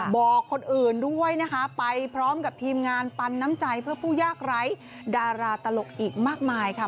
บอกคนอื่นด้วยนะคะไปพร้อมกับทีมงานปันน้ำใจเพื่อผู้ยากไร้ดาราตลกอีกมากมายค่ะ